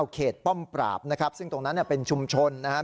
เขตป้อมปราบนะครับซึ่งตรงนั้นเป็นชุมชนนะครับ